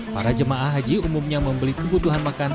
para jemaah haji umumnya membeli kebutuhan makan